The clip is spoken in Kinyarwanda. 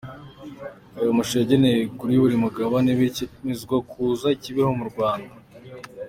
Aya mashusho yagenewe buri Mugabane, bityo yemezwa kuza i Kibeho mu Rwanda.